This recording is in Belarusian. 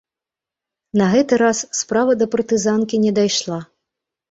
На гэты раз справа да партызанкі не дайшла.